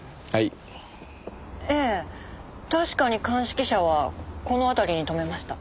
ええ確かに鑑識車はこの辺りに止めました。